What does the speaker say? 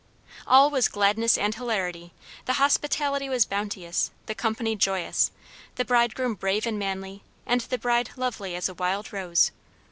All was gladness and hilarity; the hospitality was bounteous, the company joyous, the bridegroom brave and manly, and the bride lovely as a wild rose.